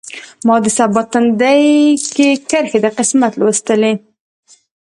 ما د سبا تندی کې کرښې د قسمت لوستلي